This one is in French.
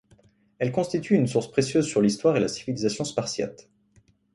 Elle constitue une source précieuse sur l'histoire et la civilisation spartiates.